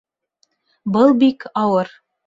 Был бик ауыр.